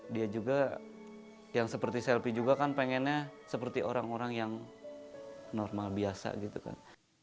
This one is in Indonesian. dia juga yang seperti selfie juga kan pengennya seperti orang orang yang normal biasa gitu kan